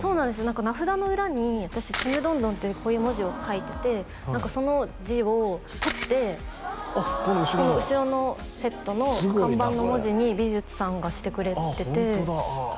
何か名札の裏に私「ちむどんどん」っていうこういう文字を書いててその字をとってこの後ろのセットの看板の文字に美術さんがしてくれててああ